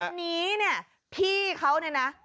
ทีนี้เนี่ยพี่เขาเนี่ยนะ